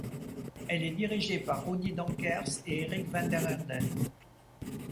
Elle est dirigée par Rudi Donckers et Eric Vanderaerden.